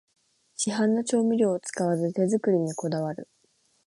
市販の調味料を使わず手作りにこだわる